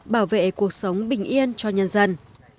bảo vệ cuộc sống bình yên cho nhân dân